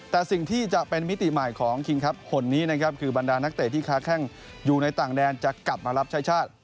แต่สิ่งที่จะเป็นมิติใหม่ของคิงครับคนนี้นะครับคือบรรดานักเตะที่ค้าแข้งอยู่ในต่างแดนจะกลับมารับใช้ชาติ